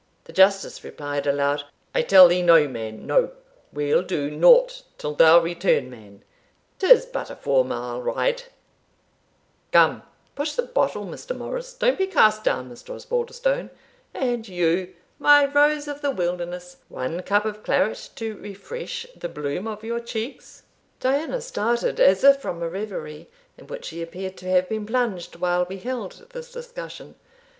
The Justice replied aloud, "I tell thee no, man, no we'll do nought till thou return, man; 'tis but a four mile ride Come, push the bottle, Mr. Morris Don't be cast down, Mr. Osbaldistone And you, my rose of the wilderness one cup of claret to refresh the bloom of your cheeks." Diana started, as if from a reverie, in which she appeared to have been plunged while we held this discussion.